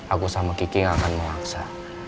aku sama kiki gak akan memaksa